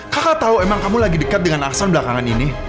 kakak tahu emang kamu lagi dekat dengan aksan belakangan ini